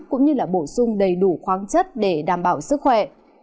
cũng như bổ sung đầy đủ khoáng chất để đảm bảo sức khỏe